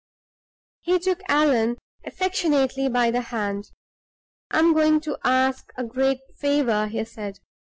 He took Allan affectionately by the hand. "I am going to ask a great favor," he said.